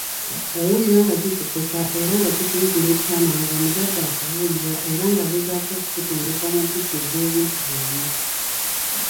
Owulira kikukosa era nga kikuyigula ettama ng'omuzadde akubuulirira era ng'agezaako okukutendeka mu mpisa ez'obuntubulamu